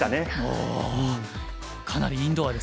おおかなりインドアですね。